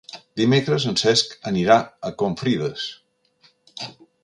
Dimecres en Cesc anirà a Confrides.